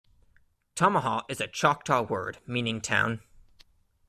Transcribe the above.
Tamaha is a Choctaw word meaning town.